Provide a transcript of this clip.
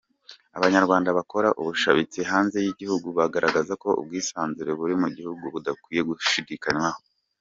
Abanyarwanda bakora ubushabitsi hanze y’igihugu bagaragaza ko ubwisanzure buri mu gihugu budakwiye gushidikanywaho.